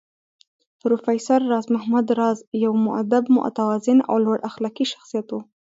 پروفېسر راز محمد راز يو مودب، متوازن او لوړ اخلاقي شخصيت و